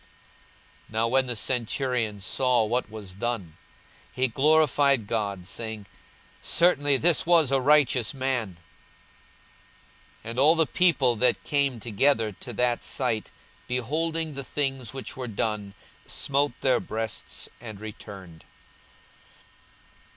42:023:047 Now when the centurion saw what was done, he glorified God, saying, Certainly this was a righteous man. 42:023:048 And all the people that came together to that sight, beholding the things which were done, smote their breasts, and returned.